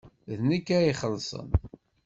D nekk ad ixellṣen.